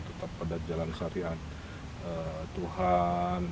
tetap pedat jalan karyat tuhan